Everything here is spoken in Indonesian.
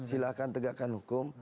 silahkan tegakkan hukum